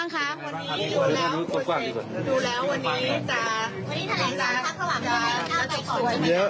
ครับ